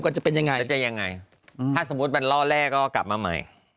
มันจะต้องรอแรกก็กลับมา